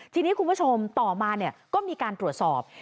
ทีนี้คุณผู้ชมต่อมาก็มีการตรวจสอบ